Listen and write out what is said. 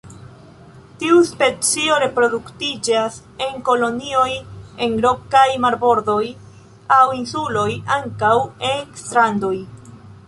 Tiu specio reproduktiĝas en kolonioj en rokaj marbordoj aŭ insuloj, ankaŭ en strandoj.